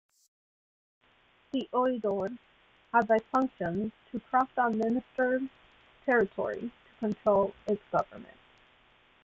The Oidor had by functions to cross the administered territory to control its government.